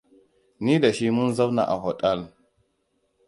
Ni da shi mun zauna a otal.